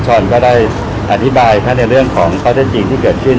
ช้อนก็ได้อธิบายในเรื่องของข้อเท็จจริงที่เกิดขึ้น